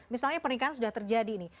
misalnya pernikahan sudah terjadi nih